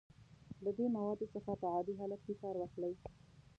له دې موادو څخه په عادي حالت کې کار واخلئ.